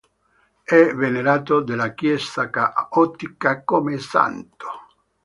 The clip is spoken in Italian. È venerato dalla Chiesa cattolica come santo.